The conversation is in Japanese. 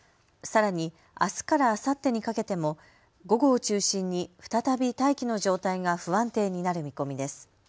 さらに、あすからあさってにかけても午後を中心に再び大気の状態が不安定になる見込みです。